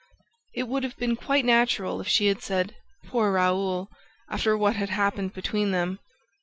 It would have been quite natural if she had said, "Poor Raoul," after what had happened between them.